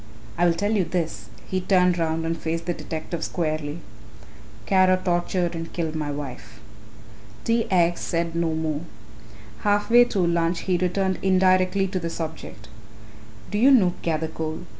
I will tell you this," he turned round and faced the detective squarely, "Kara tortured and killed my wife." T. X. said no more. Half way through lunch he returned indirectly to the subject. "Do you know Gathercole?"